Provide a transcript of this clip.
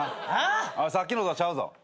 さっきのとちゃうぞ。